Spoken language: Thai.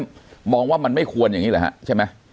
ผมจะคิดว่าว่ามันไม่ควรอย่างนี้แหละครับ